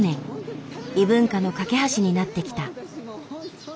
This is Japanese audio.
異文化の懸け橋になってきた。